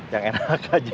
yang enak aja